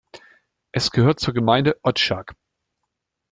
Es gehört zur Gemeinde Odžak.